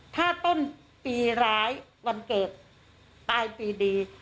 ถ้าต้นปีร้ายวันเกิดตายปีดี